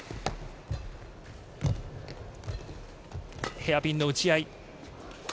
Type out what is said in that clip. ヘアピンの打ち合い。